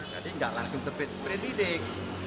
jadi tidak langsung terbit sprenidik